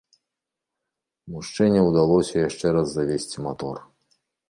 Мужчыне ўдалося яшчэ раз завесці матор.